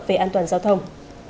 về an toàn giao thông